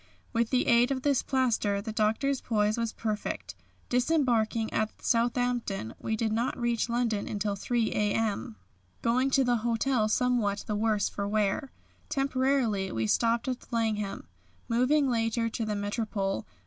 With the aid of this plaster the Doctor's poise was perfect. Disembarking at Southampton we did not reach London until 3 a.m., going to the hotel somewhat the worse for wear. Temporarily we stopped at the Langham, moving later to the Metropole.